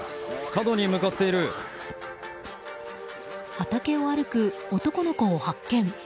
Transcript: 畑を歩く男の子を発見。